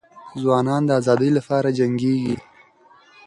ځوانان د ازادۍ لپاره جنګیږي.